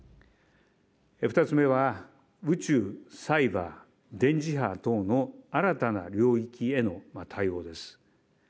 ２つ目は、宇宙・サイバー・電磁波等の新たな領域への対応です。